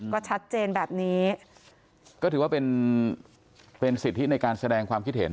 ก็ชัดเจนแบบนี้ก็ถือว่าเป็นเป็นสิทธิในการแสดงความคิดเห็น